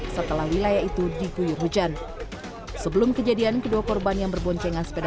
setelah wilayah itu diguyur hujan sebelum kejadian kedua korban yang berboncengan sepeda